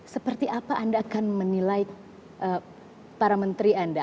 seperti apa anda akan menilai para menteri anda